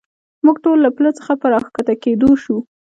موږ ټول له پله څخه په را کښته کېدو شو.